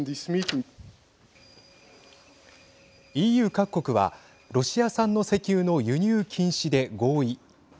ＥＵ各国はロシア産の石油の輸入禁止で合意。